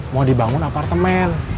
mau dibangun apartemen